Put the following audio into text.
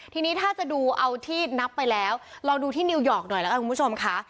ทีนี้ถ้าจะดูเอาที่นับไปแล้วลองดูที่นิวยอร์กหน่อยแล้วกันคุณผู้ชมค่ะ